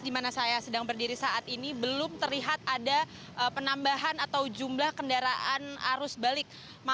di mana saya sedang berdiri saat ini belum terlihat ada penambahan atau jumlah kendaraan arus balik